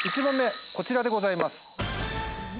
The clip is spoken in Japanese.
１問目こちらでございます。